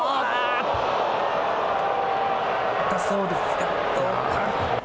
痛そうです。